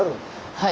はい。